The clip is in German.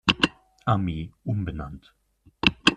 Armee umbenannt.